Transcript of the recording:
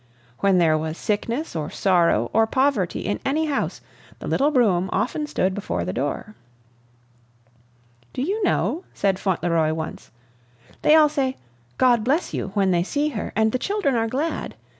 When there was sickness or sorrow or poverty in any house, the little brougham often stood before the door. "Do you know," said Fauntleroy once, "they all say, 'God bless you!' when they see her, and the children are glad.